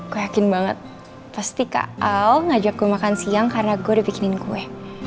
gue yakin banget pasti kak al ngajak gue makan siang karena gue udah bikinin kue